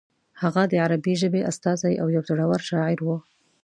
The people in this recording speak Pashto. هغه د عربي ژبې استازی او یو زوړور شاعر و.